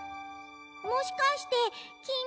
もしかしてきみ。